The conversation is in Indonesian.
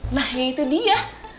nah ya itu dia